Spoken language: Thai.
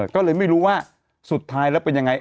ก็เลยไม่รู้ว่าสุดท้ายแล้วเป็นยังไง